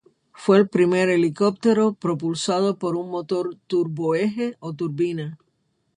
Fue el primer helicóptero propulsado por un motor turboeje o turbina.